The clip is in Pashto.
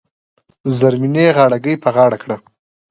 زرمینې غاړه ګۍ په غاړه کړه .